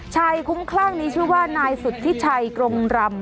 ชายคุ้มคลั่งนี้ชื่อว่านายสุธิชัยกรมรำ